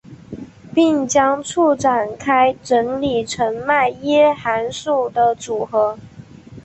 并将簇展开整理成迈耶函数的组合。